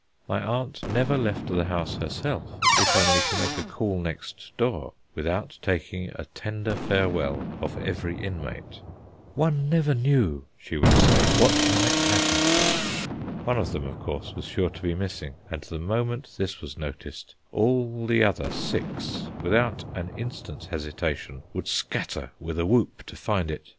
My aunt never left the house herself, if only to make a call next door, without taking a tender farewell of every inmate. One never knew, she would say, what might happen. One of them, of course, was sure to be missing, and the moment this was noticed all the other six, without an instant's hesitation, would scatter with a whoop to find it.